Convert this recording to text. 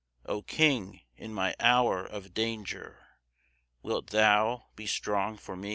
O King, in my hour of danger, Wilt thou be strong for me?